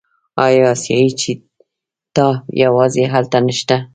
آیا اسیایي چیتا یوازې هلته نشته؟